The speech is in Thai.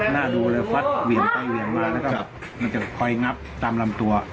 ดูเลยฟัดเหวี่ยงไปเหวี่ยงมาแล้วก็มันจะคอยงับตามลำตัว